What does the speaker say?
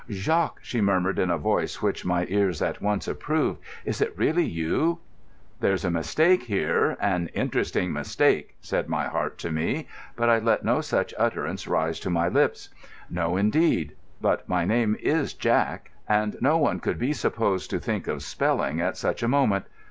"Jacques," she murmured in a voice which my ears at once approved, "is it really you?" "There's a mistake here—an interesting mistake," said my heart to me. But I let no such utterance rise to my lips. No, indeed. But my name is Jack—and no one could be supposed to think of spelling at such a moment.